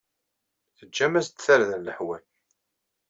Teǧǧam-as-d tarda n leḥwal.